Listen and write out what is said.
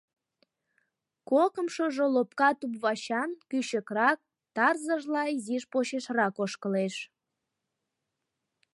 Кокымшыжо лопка туп-вачан, кӱчыкрак, тарзыжла изиш почешрак ошкылеш.